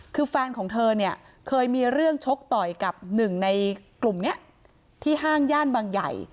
คือแฟนของเธอเนี่ยเคยมีเรื่องชกต่อยกับหนึ่งในกลุ่มนี้ที่ห้างย่านบางใหญ่